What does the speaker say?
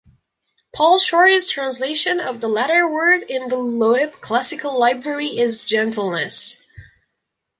Paul Shorey's translation of the latter word in the Loeb Classical Library is "gentleness".